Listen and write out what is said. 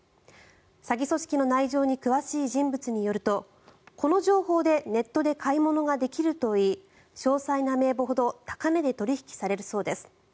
詐欺組織の内情に詳しい人物によるとこの情報でネットで買い物ができるといい詳細な名簿ほど高値で取引されるそうです。